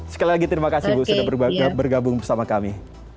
sekali lagi terima kasih bu sudah bergabung bersama kami